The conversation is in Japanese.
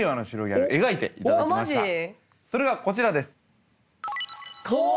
それがこちらです。